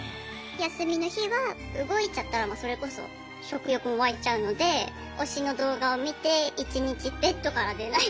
休みの日は動いちゃったらそれこそ食欲も湧いちゃうので推しの動画を見て一日ベッドから出ない。